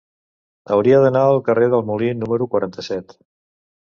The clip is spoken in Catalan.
Hauria d'anar al carrer del Molí número quaranta-set.